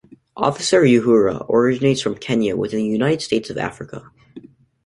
Officer Uhura originates from Kenya within the United States of Africa.